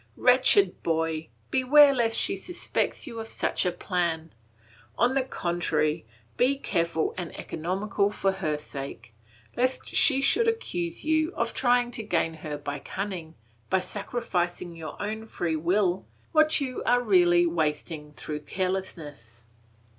Wretched boy, beware lest she suspects you of such a plan! On the contrary, be careful and economical for her sake, lest she should accuse you of trying to gain her by cunning, by sacrificing of your own free will what you are really wasting through carelessness.